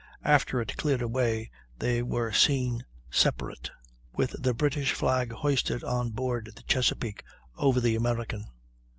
After it cleared away they were seen separate, with the British flag hoisted on board the Chesapeake over the American."